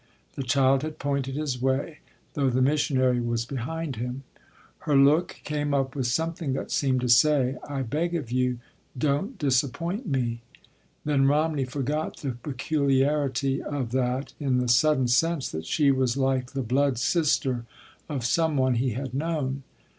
The child had pointed his way, though the missionary was behind him. Her look came up with something that seemed to say, "I beg of you—don’t disappoint me." Then Romney forgot the peculiarity of that, in the sudden sense that she was like the blood sister of some one he had known.